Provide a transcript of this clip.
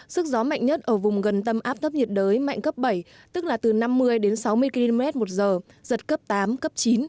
sức gió mạnh nhất ở vùng gần tâm áp thấp nhiệt đới mạnh cấp bảy tức là từ năm mươi đến sáu mươi km một giờ giật cấp tám cấp chín